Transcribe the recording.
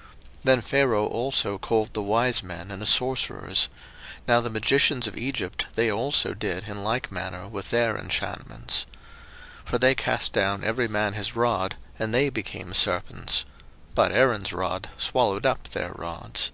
02:007:011 Then Pharaoh also called the wise men and the sorcerers: now the magicians of Egypt, they also did in like manner with their enchantments. 02:007:012 For they cast down every man his rod, and they became serpents: but Aaron's rod swallowed up their rods.